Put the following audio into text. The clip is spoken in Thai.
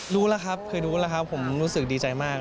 รู้แล้วครับเคยรู้แล้วครับผมรู้สึกดีใจมาก